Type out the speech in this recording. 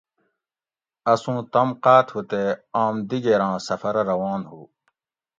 اسُوں تم قاۤت ہُو تے آم دِگیراں سفرہ روان ہُو